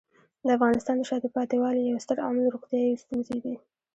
د افغانستان د شاته پاتې والي یو ستر عامل روغتیايي ستونزې دي.